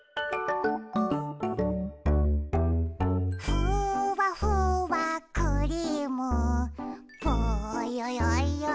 「ふわふわクリームぽよよよよん」